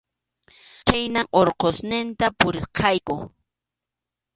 Chhaynam Urqusninta puririrqayku.